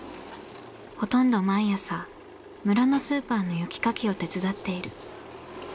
ほとんど毎朝村のスーパーの雪かきを手伝っている。